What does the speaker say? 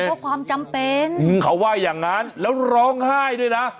เพื่อความจำเป็นเขาว่าอย่างนั้นแล้วร้องไห้ด้วยนะ